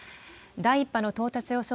第１波の到達予想